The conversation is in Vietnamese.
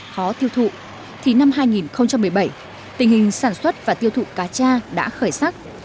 khó tiêu thụ thì năm hai nghìn một mươi bảy tình hình sản xuất và tiêu thụ cá cha đã khởi sắc